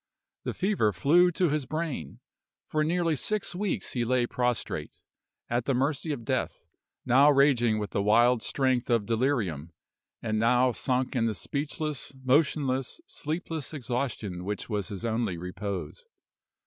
The fever flew to his brain. For nearly six weeks he lay prostrate, at the mercy of death; now raging with the wild strength of delirium, and now sunk in the speechless, motionless, sleepless exhaustion which was his only repose.